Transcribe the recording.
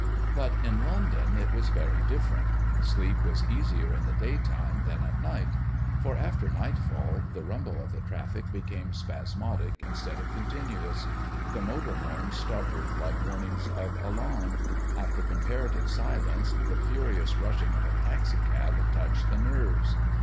But in London it was very different; sleep was easier in the daytime than at night. For after nightfall the rumble of the traffic became spasmodic instead of continuous; the motor horns startled like warnings of alarm; after comparative silence the furious rushing of a taxi cab touched the nerves.